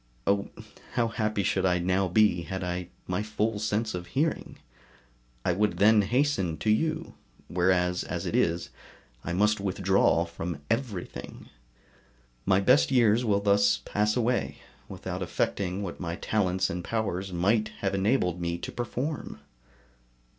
Oh! how happy should I now be, had I my full sense of hearing; I would then hasten to you; whereas, as it is, I must withdraw from everything. My best years will thus pass away, without effecting what my talents and powers might have enabled me to perform.